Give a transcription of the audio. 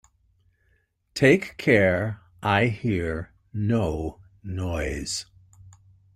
Take care I hear no noise.